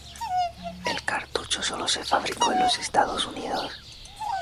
El cartucho solo se fabricó en los Estados Unidos.